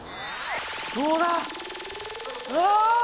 どうだ？